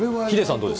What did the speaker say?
どうですか。